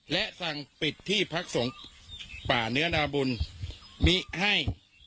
และสั่งปิดที่พักสงฆ์ป่าเนื้อนาบุญมิให้